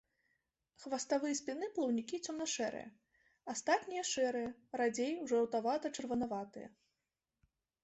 Хваставы і спінны плаўнікі цёмна-шэрыя, астатнія шэрыя, радзей жаўтавата-чырванаватыя.